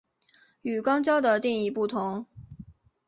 与肛交的定义不同。